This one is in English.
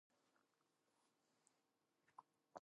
They trek through the city and make it to the palace.